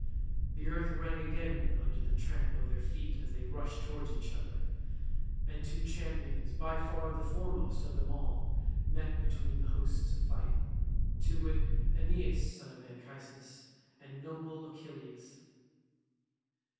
The earth rang again under the tramp of their feet as they rushed towards each other, and two champions, by far the foremost of them all, met between the hosts to fight—to wit, Aeneas son of Anchises, and noble Achilles.